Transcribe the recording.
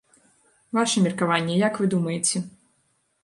Ваша меркаванне, як вы думаеце?